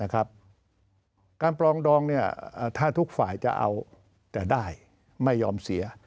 การปรองดองถ้าทุกฝ่ายจะเอาแต่ได้ไม่ยอมเสีย